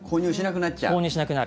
購入しなくなる。